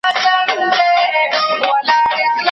هغه پنجاب چي څه باندي څلوېښت کاله یې